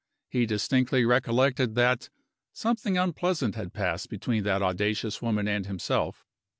He distinctly recollected that "something unpleasant had passed between that audacious woman and himself."